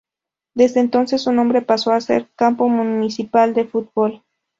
Desde entonces su nombre pasó a ser Campo Municipal de Fútbol.